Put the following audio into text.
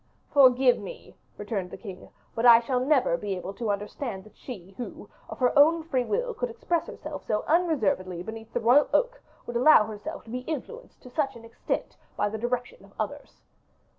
"Forgive me," returned the king; "but I shall never be able to understand that she, who of her own free will could express herself so unreservedly beneath the royal oak, would allow herself to be influenced to such an extent by the direction of others."